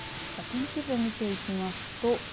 天気図、見ていきますと。